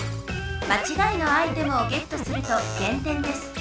まちがいのアイテムをゲットすると減点です。